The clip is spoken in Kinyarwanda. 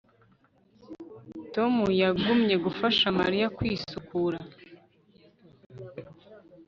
Tom yagumye gufasha Mariya kwisukura